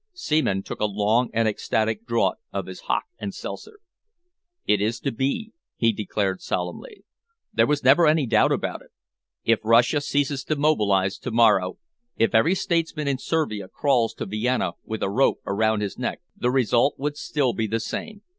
Seaman took a long and ecstatic draught of his hock and seltzer. "It is to be," he declared solemnly. "There was never any doubt about it. If Russia ceases to mobilise to morrow, if every statesman in Servia crawls to Vienna with a rope around his neck, the result would still be the same.